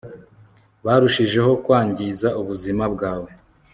barushijeho kwangiza ubuzima bwawe